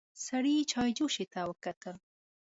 سړي چايجوشې ته وکتل.